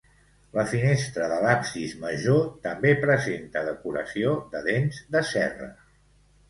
La finestra de l'absis major també presenta decoració de dents de serra.